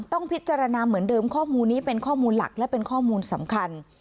ต้องพิจารณาเหมือนเดิมข้อมูลนี้เป็นข้อมูลหลักและเป็นข้อมูลสำคัญ